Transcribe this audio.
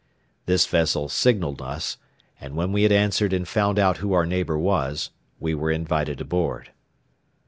This vessel signalled us; and when we had answered and found out who our neighbor was, we were invited aboard.